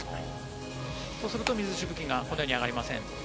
そうすると水しぶきが、このように上がりません。